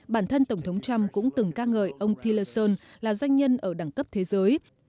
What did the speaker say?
bản thân tổng thống trump cũng từng ca ngợi ông tillerson là doanh nhân ở đẳng cấp thế giới